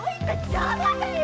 邪魔だよ！